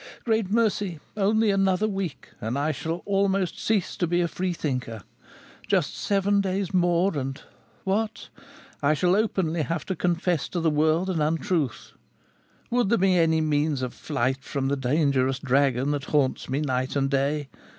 "Great mercy! Only another week and I shall almost cease to be a free thinker! Just seven days more and what! I shall openly have to confess to the world an untruth! Would there be any means of flight from the dangerous dragon that haunts me night and day?